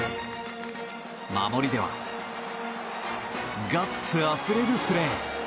守りではガッツあふれるプレー。